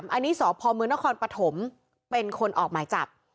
อันนี้สพมนครปฐมเป็นคนออกหมายจับ